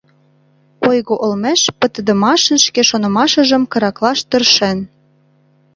Ойго олмеш пытыдымашын шке шонымашыжым кыраклаш тыршен.